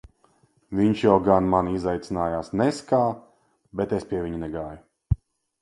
Viņš jau gan mani izaicinājās nez kā, bet es pie viņa negāju.